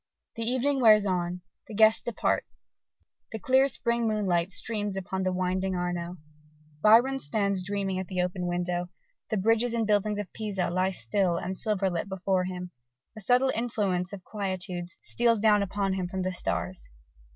The evening wears on: the guests depart: the clear spring moonlight streams upon the winding Arno. Byron stands dreaming at the open window, the bridges and buildings of Pisa lie still and silver lit before him: a subtle influence of quietude steals down upon him from the stars.